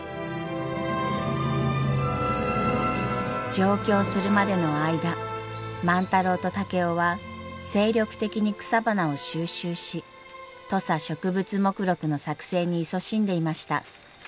上京するまでの間万太郎と竹雄は精力的に草花を収集し土佐植物目録の作成にいそしんでいました。